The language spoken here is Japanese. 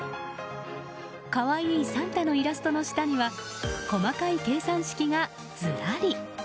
可愛いサンタのイラストの下には細かい計算式がずらり。